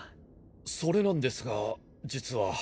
それなんですが実は。